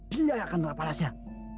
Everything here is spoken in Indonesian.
dia yang akan merapalasnya